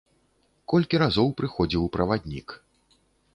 Колькі разоў прыходзіў праваднік.